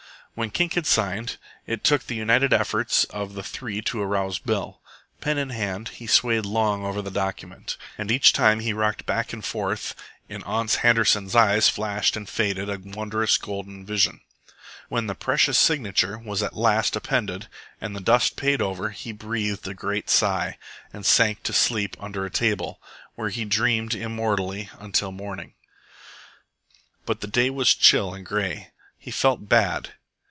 When Kink had signed, it took the united efforts of the three to arouse Bill. Pen in hand, he swayed long over the document; and, each time he rocked back and forth, in Ans Handerson's eyes flashed and faded a wondrous golden vision. When the precious signature was at last appended and the dust paid over, he breathed a great sigh, and sank to sleep under a table, where he dreamed immortally until morning. But the day was chill and grey. He felt bad.